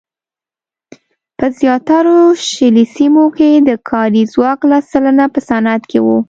په زیاترو شلي سیمو کې د کاري ځواک لس سلنه په صنعت کې وو.